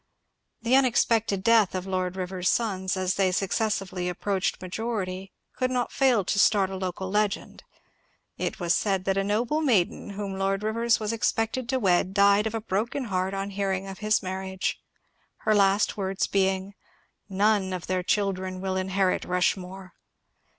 The unexpected death of Lord Rivers^s sons as they succes sively approached majority could not &il to start a local legend : it was said that a noble maiden whom Lord Rivers was expected to wed died of a broken heart on hearing of his marriage, her last words being, ^^ None of their children will inherit Rushmore."